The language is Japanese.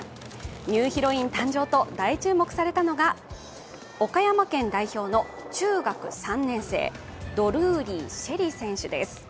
ニューヒロイン誕生と大注目されたのが、岡山県代表の中学３年生ドルーリー朱瑛里選手です。